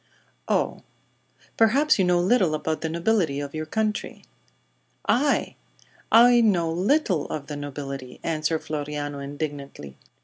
"Oh. Perhaps you know little about the nobility of your country." "I! I know little of the nobility!" answered Floriano, indignantly.